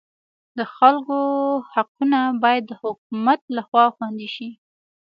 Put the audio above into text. د خلکو حقونه باید د حکومت لخوا خوندي شي.